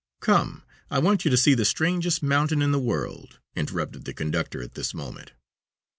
"Come, I want you to see the strangest mountain in the world," interrupted the conductor at this moment.